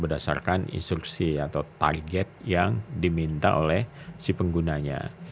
berdasarkan instruksi atau target yang diminta oleh si penggunanya